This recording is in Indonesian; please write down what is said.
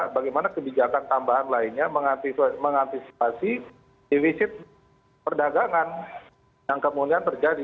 bagaimana kebijakan tambahan lainnya mengantisipasi defisit perdagangan yang kemudian terjadi